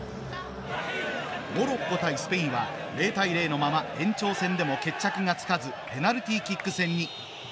モロッコ対スペインは０対０のまま延長戦でも決着がつかずペナルティーキック戦に。